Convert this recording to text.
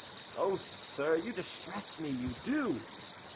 "Oh, Sir, You distress me, you do."